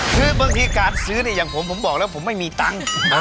คือบางทีการซื้อเนี่ยอย่างผมผมบอกแล้วผมไม่มีตังค์